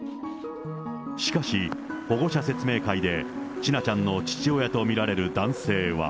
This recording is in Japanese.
しかし、保護者説明会で、千奈ちゃんの父親と見られる男性は。